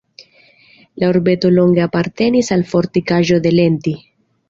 La urbeto longe apartenis al fortikaĵo de Lenti.